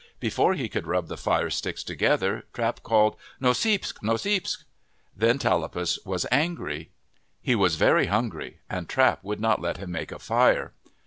Before he could rub the fire sticks together, Trap called, " Noseepsk ! Noseepsk !' Then Tallapus was angry. He was very hungry and Trap would not let him make a fire.